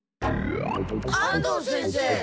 安藤先生。